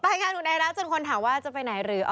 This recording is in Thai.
ไปค่ะอุณไอรักษ์จนคนถามว่าจะไปไหนหรือ